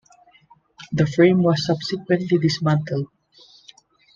The frame was subsequently dismantled.